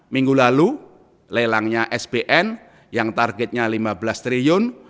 minggu lalu lelangnya sbn yang targetnya lima belas triliun